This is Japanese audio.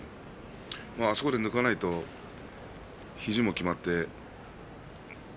そこで抜かないと肘もきまって。